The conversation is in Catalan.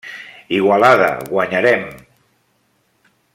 Igualada, guanyarem!